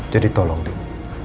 jadi tolong din